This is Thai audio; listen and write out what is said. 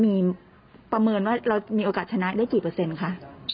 มีประเมินว่าเรามีโอกาสชนะได้กี่เปอร์เซ็นต์คะ